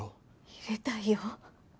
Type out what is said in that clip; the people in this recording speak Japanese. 入れたいよ。